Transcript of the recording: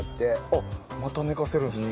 あっまた寝かせるんですね。